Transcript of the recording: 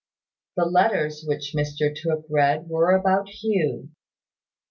The letters which Mr Tooke read were about Hugh.